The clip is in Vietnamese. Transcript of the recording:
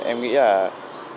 em nghĩ là các trường nghề